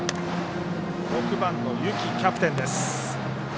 ６番の幸、キャプテンです。